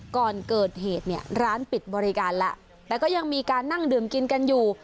ก่อนเกิดเหตุเนี่ยร้านปิดบริการแล้วแต่ก็ยังมีการนั่งดื่มกินกันอยู่